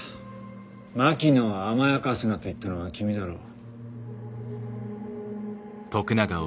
「槙野を甘やかすな」と言ったのは君だろう？